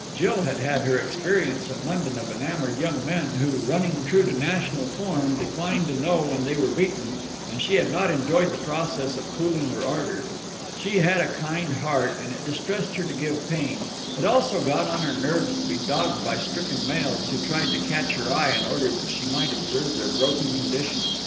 Jill had had her experience in London of enamoured young men who, running true to national form, declined to know when they were beaten, and she had not enjoyed the process of cooling their ardour. She had a kind heart, and it distressed her to give pain. It also got on her nerves to be dogged by stricken males who tried to catch her eye in order that she might observe their broken condition.